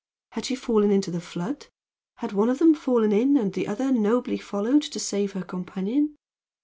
Had she fallen into the flood? Had one of them fallen in, and the other nobly followed to save her companion?